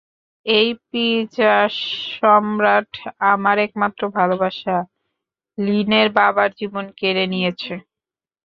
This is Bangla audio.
এই পিশাচ সম্রাট আমার একমাত্র ভালোবাসা, লিনের বাবার জীবন কেড়ে নিয়েছে!